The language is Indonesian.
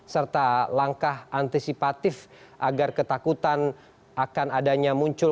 serta langkah antisipatif agar ketakutan akan adanya muncul